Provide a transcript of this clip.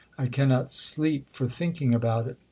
I cannot sleep for thinking about it.